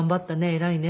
偉いね」